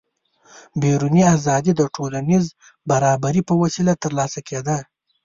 بیروني ازادي د ټولنیز برابري په وسیله ترلاسه کېده.